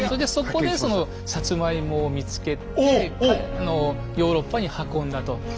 そこでそのサツマイモを見つけてヨーロッパに運んだと。